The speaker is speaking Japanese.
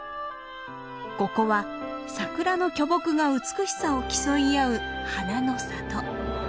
ここはサクラの巨木が美しさを競い合う花の里。